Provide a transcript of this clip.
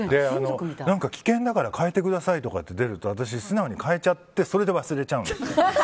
危険だから変えてくださいって出ると私、素直に変えちゃってそれで忘れちゃうんです。